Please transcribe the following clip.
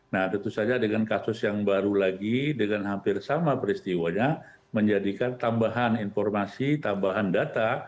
nah tentu saja dengan kasus yang baru lagi dengan hampir sama peristiwanya menjadikan tambahan informasi tambahan data